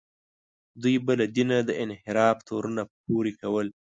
دوی به له دینه د انحراف تورونه پورې کول.